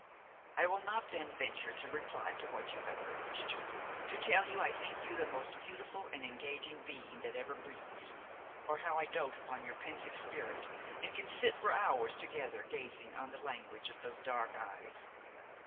I will not then venture to reply to what you have urged; to tell you I think you the most beautiful and engaging being that ever breathed; or how I dote upon your pensive spirit, and can sit for hours together gazing on the language of those dark eyes.